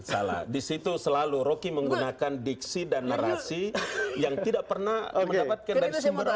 salah disitu selalu rocky menggunakan diksi dan narasi yang tidak pernah mendapatkan dari sumber